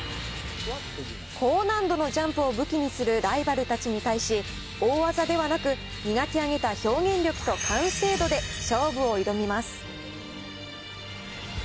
高難度のジャンプを武器にするライバルたちに対し、大技ではなく、磨き上げた表現力と完成度で勝負を挑みます。